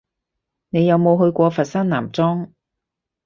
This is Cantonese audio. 你有冇去過佛山南莊？